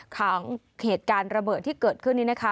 ของเหตุการณ์ระเบิดที่เกิดขึ้นนี้นะคะ